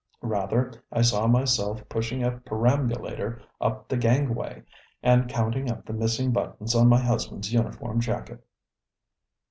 Rather, I saw myself pushing a perambulator up the gangway, and counting up the missing buttons on my husbandŌĆÖs uniform jacket.